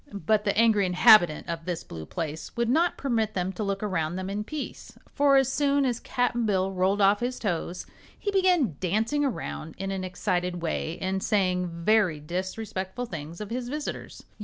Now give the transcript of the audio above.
But the angry inhabitant of this blue place would not permit them to look around them in peace, for as soon as Cap'n Bill rolled off his toes he began dancing around in an excited way and saying very disrespectful things of his visitors.